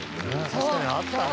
「確かにあったね」